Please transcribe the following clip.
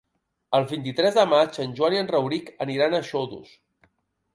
El vint-i-tres de maig en Joan i en Rauric aniran a Xodos.